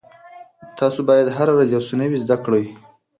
تاسو باید هره ورځ یو څه نوي زده کړئ.